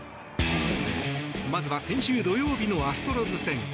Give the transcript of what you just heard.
まずは先週土曜日のアストロズ戦。